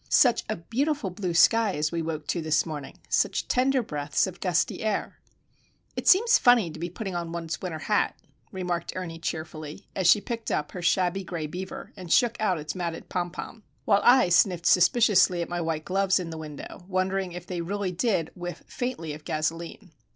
Such a beautiful blue sky as we woke to this morning, such tender breaths of gusty air! "It seems funny to be putting on one's winter hat," remarked Ernie, cheerfully, as she picked up her shabby gray beaver and shook out its matted pompon; while I sniffed suspiciously at my white gloves in the window, wondering if they really did whiff faintly of gasoline.